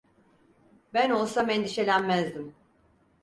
Ben olsam endişelenmezdim.